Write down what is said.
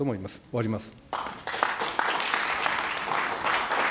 終わります。